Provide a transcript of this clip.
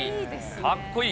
かっこいい。